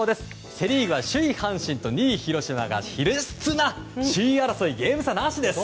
セリーグは首位、阪神と２位の広島が熾烈な首位争いゲーム差なしです。